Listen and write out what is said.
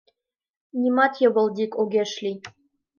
— Нимат йывылдик огеш лий.